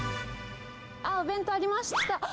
お弁当ありました。